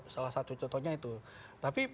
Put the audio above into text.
salah satu contohnya itu tapi